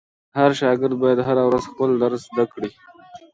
هر شاګرد باید هره ورځ خپل درس زده کړي.